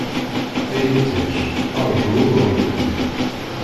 Ay iṭij ṛğu ur ɣelli.